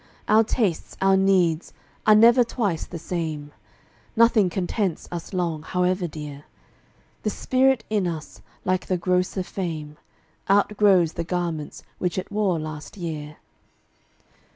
Our tastes, our needs, are never twice the same. Nothing contents us long, however dear. The spirit in us, like the grosser frame, Outgrows the garments which it wore last year.